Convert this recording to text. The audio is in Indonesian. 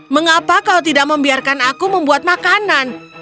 mengapa kau tidak membiarkan aku membuat makanan